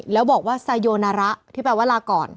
แล้วบอกว่าไซโยนาระที่แปลว่าลาก่อน